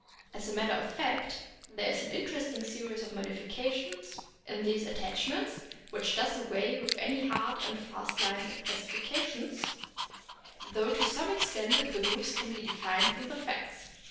As a matter of fact there is an interesting series of modifications in these attach ments which does away with any hard and fast lines of classification, though to some extent the groups can be defined from the facts.